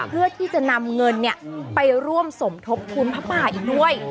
เพื่อร่วมสมทบผุมทับป่ายอีกด้วย